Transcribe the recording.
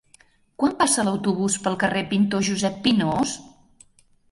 Quan passa l'autobús pel carrer Pintor Josep Pinós?